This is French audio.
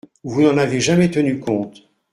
Vous n’en avez jamais tenu compte.